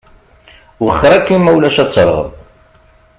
Wexxeṛ akin ma ulac ad terɣeḍ.